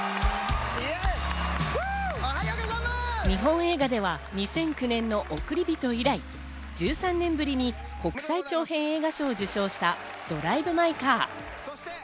日本映画では２００９年の『おくりびと』以来１３年ぶりに国際長編映画賞を受賞した『ドライブ・マイ・カー』。